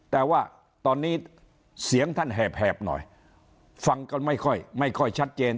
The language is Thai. แต่ว่าตอนนี้เสียงท่านแหบหน่อยฟังกันไม่ค่อยไม่ค่อยชัดเจน